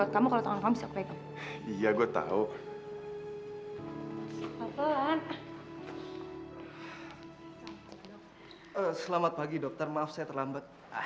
selamat pagi dokter maaf saya terlambat